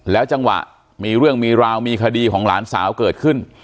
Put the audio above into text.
จังหวะมีเรื่องมีราวมีคดีของหลานสาวเกิดขึ้น